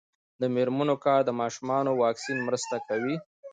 د میرمنو کار د ماشومانو واکسین مرسته کوي.